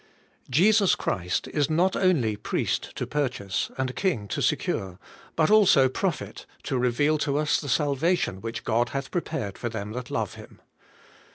JESUS OHEIST is not only Priest to purchase, and King to secure, but also Prophet to reveal to us the salvation which God hath prepared for them that love Him.